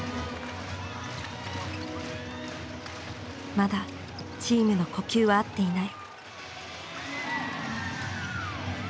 まだチームの呼吸は合っていない。